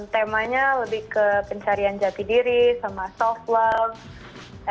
temanya lebih ke pencarian jati diri sama self love